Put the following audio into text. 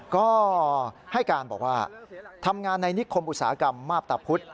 ก็ให้การบอกว่าทำงานในนิคมอุตสาหกรรมมาพตะพุธ